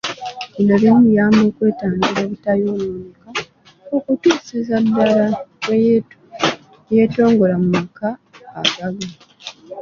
Bino bimuyamba okwetangira obutayonooneka okutuusiza ddala lwe yeetongola mu maka agage.